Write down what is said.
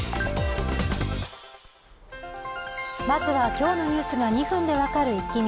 まずは今日のニュースが２分で分かるイッキ見。